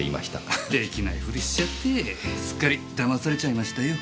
出来ないふりしちゃってぇすっかりだまされちゃいましたよ。